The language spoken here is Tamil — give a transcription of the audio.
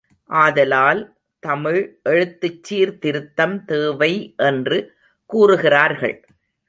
ஆதலால், தமிழ் எழுத்துச் சீர்திருத்தம் தேவை என்று கூறுகிறார்கள்.